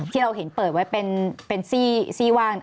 ที่เราเห็นเปิดไว้เป็นซี่ว่าง